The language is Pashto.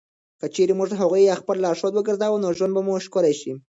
که چېرې موږ هغوی خپل لارښود وګرځوو، نو ژوند به مو ښکلی شي.